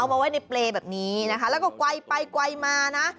มาไว้ในเปรย์แบบนี้นะคะแล้วก็ไกลไปไกลมานะ